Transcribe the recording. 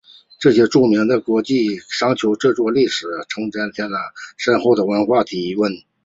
这些著名古迹都给商丘这座历史古城增添了深厚的文化底蕴。